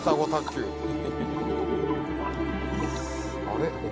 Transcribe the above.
あれ？